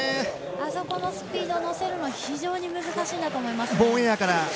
あそこのスピード乗せるのが非常に難しいんだと思います。